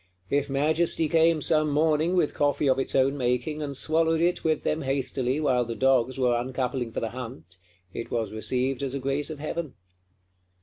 If Majesty came some morning, with coffee of its own making, and swallowed it with them hastily while the dogs were uncoupling for the hunt, it was received as a grace of Heaven.